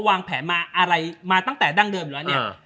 วางแผนมาอะไรมาตั้งแต่ดั้งเดิมอยู่แล้วเนี่ย